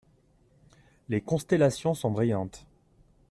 Les constellations sont brillantes.